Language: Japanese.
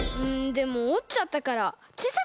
でもおっちゃったからちいさくなっちゃった。